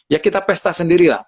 ya kita pesta sendiri lah